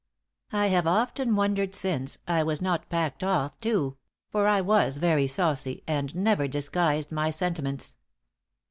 "I have often wondered since, I was not packed off, too; for I was very saucy, and never disguised my sentiments.